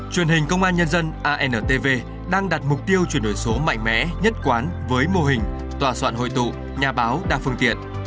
truyền hình công an nhân dân antv đang đặt mục tiêu chuyển đổi số mạnh mẽ nhất quán với mô hình tòa soạn hội tụ nhà báo đa phương tiện